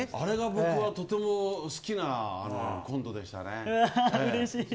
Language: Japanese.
僕はとても好きなコントでしたね。